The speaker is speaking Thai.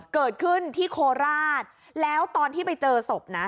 เกิดขึ้นที่โคราชแล้วตอนที่ไปเจอศพนะ